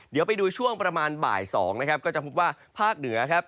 เดี๋ยวไปดูช่วงประมาณบ่าย๒นะครับก็จะพบว่าภาคเหนือครับ